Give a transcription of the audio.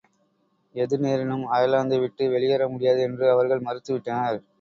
எது நேரினும் அயர்லாந்தை விட்டு வெளியேற முடியாது என்று அவர்கள் மறுத்து விட்டனர்.